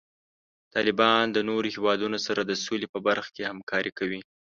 طالبان د نورو هیوادونو سره د سولې په برخه کې همکاري کوي.